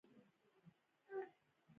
نورستان د افغان ځوانانو د هیلو استازیتوب کوي.